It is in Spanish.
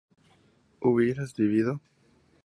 ¿hubieras vivido?